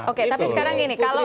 oke tapi sekarang gini